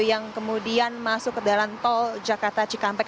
yang kemudian masuk ke dalam tol jakarta cikampek